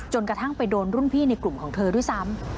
กระทั่งไปโดนรุ่นพี่ในกลุ่มของเธอด้วยซ้ำ